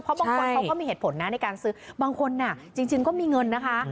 เพราะบางคนเขาก็มีเหตุผลนะในการซื้อบางคนจริงก็มีเงินนะคะ